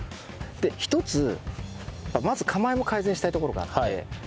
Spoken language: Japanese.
一つまず構えも改善したいところがあって。